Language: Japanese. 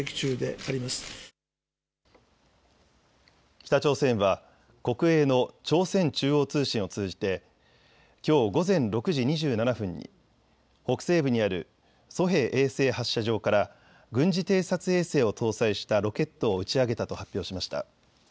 北朝鮮は国営の朝鮮中央通信を通じてきょう午前６時２７分に北西部にあるソヘ衛星発射場から軍事偵察衛星を搭載したロケットを打ち上げたと発表しました。